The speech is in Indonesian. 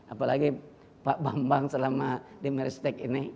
apalagi pak bambang selama di meristek ini